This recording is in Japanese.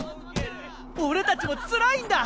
俺たちもつらいんだ。